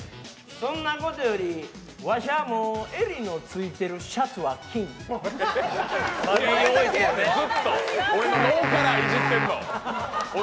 そんなことよりわしゃもう襟のついてるシャツは着ん。